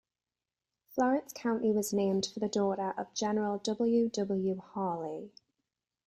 Florence County was named for the daughter of General W. W. Harllee.